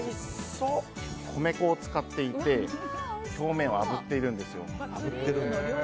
米粉を使っていて表面をあぶっているんですよ。